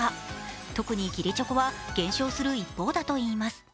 特に義理チョコは減少する一方だといいます。